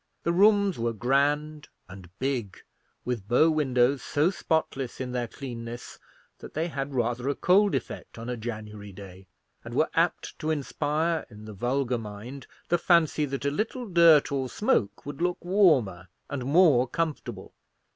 The rooms were grand and big, with bow windows so spotless in their cleanness that they had rather a cold effect on a January day, and were apt to inspire in the vulgar mind the fancy that a little dirt or smoke would look warmer and more comfortable.